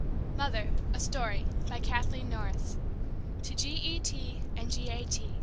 MOTHER A STORY BY KATHLEEN NORRIS TO J. E. T. AND J. A. T.